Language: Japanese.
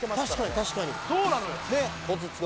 確かに確かにそうなのよ